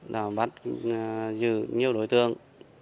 đã bắt giữ nhiều đối tượng